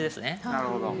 なるほど。